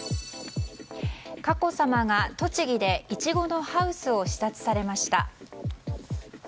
佳子さまが栃木でイチゴのハウスを視察されました。